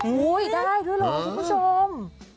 โอ้โหได้ด้วยเลยคุณผู้ชม